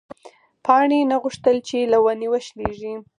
پاڼې نه غوښتل چې له ونې وشلېږي.